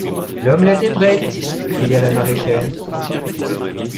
L’omelette est prête ! cria la maraîchère.